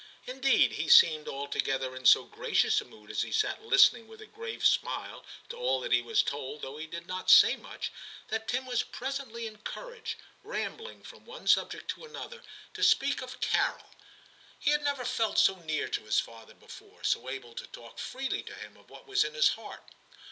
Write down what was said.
Indeed, he seemed altogether in so gracious a mood as he sat listening with a grave smile to all that he was told, though he did not say much, that Tim was presently encouraged, rambling from one subject to another, to speak of 200 TIM CHAP. Carol. He had never felt so near to his father before, so able to talk freely to him of what was in his heart.